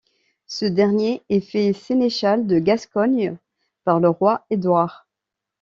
Ce dernier est fait sénéchal de Gascogne par le roi Édouard.